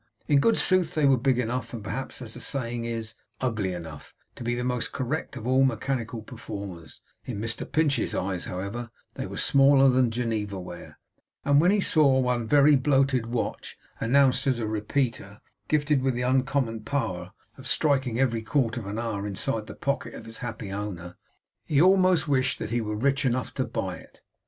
In good sooth they were big enough, and perhaps, as the saying is, ugly enough, to be the most correct of all mechanical performers; in Mr Pinch's eyes, however they were smaller than Geneva ware; and when he saw one very bloated watch announced as a repeater, gifted with the uncommon power of striking every quarter of an hour inside the pocket of its happy owner, he almost wished that he were rich enough to buy it.